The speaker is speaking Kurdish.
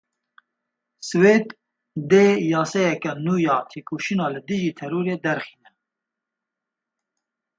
Swêd dê yasayeke nû ya têkoşîna li dijî terorê derxîne.